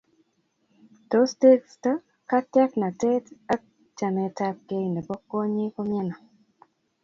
Tos tekisto, takianatet ak chametabkei nebo kwonyik ko miano?